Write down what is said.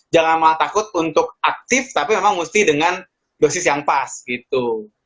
jangan malah takut untuk aktif tapi memang mesti dengan dosis yang pas gitu